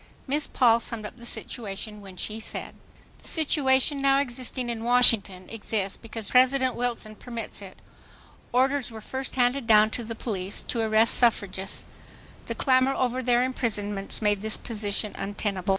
Miss Paul summed up the situation when she said: "The situation now existing in Washington exists because President Wilson permits it. Orders were first handed down to the police to arrest suffragists. The clamor over their imprisonments made this position untenable.